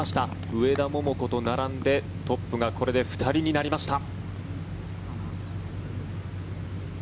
上田桃子と並んで、トップがこれで２人になりました。